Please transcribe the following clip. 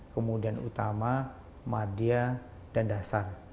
kemudian utama madia dan dasar